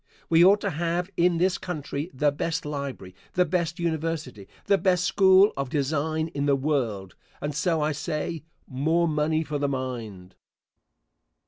We ought to have in this country the best library, the best university, the best school of design in the world; and so I say, more money for the mind.